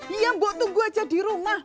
iya mbok tunggu aja di rumah